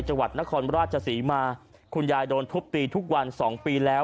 จังหวัดนครราชศรีมาคุณยายโดนทุบตีทุกวันสองปีแล้ว